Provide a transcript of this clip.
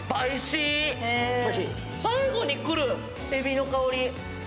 最後に来る、えびの香り。